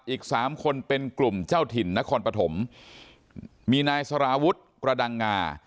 อีกสามคนเป็นกลุ่มเจ้าถิ่นนครปฐมมีนายสารวุฒิกระดังงา